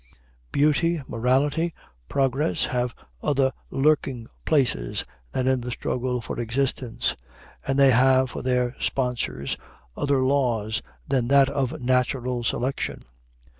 Beauty, morality, progress have other lurking places than in the struggle for existence, and they have for their sponsors other laws than that of natural selection.